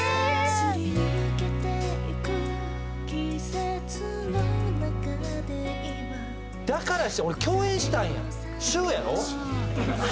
「すり抜けてゆく季節の中でいま」だから知ってる俺共演したんや。